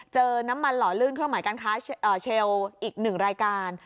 เจอน้ำมันหล่อลื่นเครื่องหมายการค้าเชลอีก๑รายการ